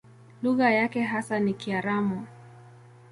Lugha yake hasa ni Kiaramu.